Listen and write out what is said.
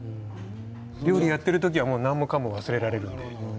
料理をやっている時は何もかも忘れられるので。